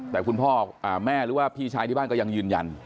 แต่คุณพ่อแม่หรือว่าพี่ชายที่บ้านก็ยังยืนยัน